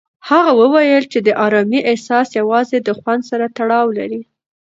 هغه وویل چې د ارامۍ احساس یوازې د خوند سره تړاو لري.